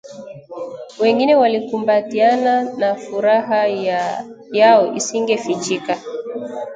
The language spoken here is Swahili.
Wengine walikumbatiana na furaha yao isingefichika